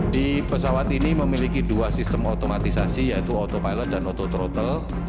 di pesawat ini memiliki dua sistem otomatisasi yaitu autopilot dan autothrottle